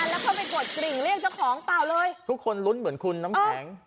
แล้วก็ไปกดกริ่งเรียกเจ้าของเปล่าเลยทุกคนลุ้นเหมือนคุณน้ำแข็ง